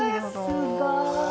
わすごい！